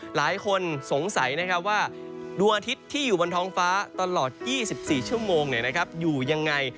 หลายคนสงสัยนะครับว่าดวงอาทิตย์ที่อยู่บนท้องฟ้าตลอด๒๔ชั่วโมงอยู่ยังไง